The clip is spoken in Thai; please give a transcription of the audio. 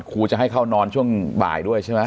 ครูจะให้เข้านอนช่วงบ่ายด้วยใช่ไหม